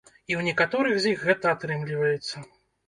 І ў некаторых з іх гэта атрымліваецца.